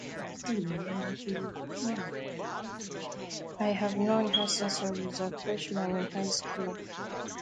I have known her since I was a freshman in high school.